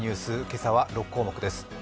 今朝は６項目です。